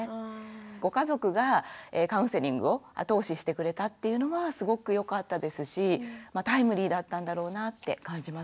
ご家族がカウンセリングを後押ししてくれたっていうのはすごくよかったですしタイムリーだったんだろうなって感じます。